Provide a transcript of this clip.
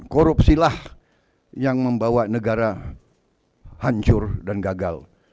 korupsilah yang membawa negara hancur dan gagal